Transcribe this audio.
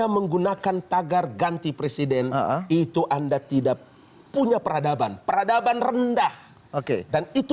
menggunakan tagar ganti presiden itu anda tidak punya peradaban peradaban rendah oke dan itu